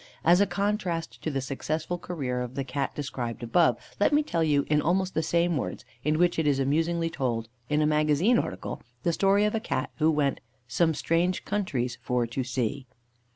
As a contrast to the successful career of the Cat described above, let me tell you, in almost the same words in which it is amusingly told in a magazine article, the story of a Cat who went "some strange countries for to see."